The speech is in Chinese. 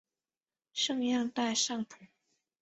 圣让代尚普。